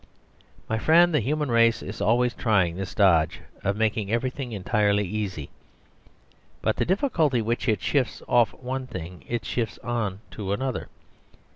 My friend, the human race is always trying this dodge of making everything entirely easy; but the difficulty which it shifts off one thing it shifts on to another.